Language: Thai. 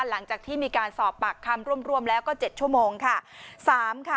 หลังจากที่มีการสอบปากคำร่วมแล้วก็๗ชั่วโมงค่ะ